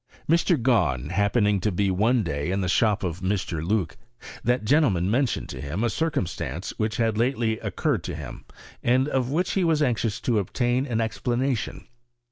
Mr. Gahn happening to be one day in the shop of Mr. Loock, that gentleman mentioned to him a circumstance which bad lately occurred to him, and of which he was anxious to obtain an explanation.